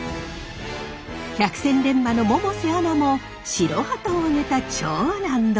百戦錬磨の百瀬アナも白旗を上げた超・難読馬。